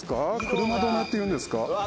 車止めっていうんですか？